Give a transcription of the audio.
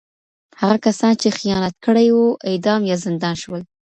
هغه کسان چې خیانت کړی و، اعدام یا زندان شول.